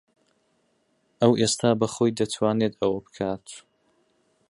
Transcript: ئەو ئێستا بەخۆی دەتوانێت ئەوە بکات.